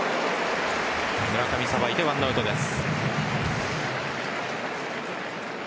村上さばいて、１アウトです。